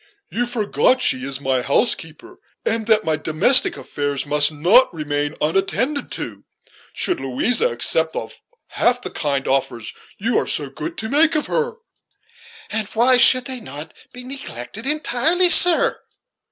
You forget that she is my housekeeper, and that my domestic affairs must remain unattended to, should Louisa accept of half the kind offers you are so good as to make her." "And why should they not be neglected entirely, sir?"